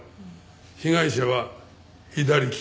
被害者は左利きだ。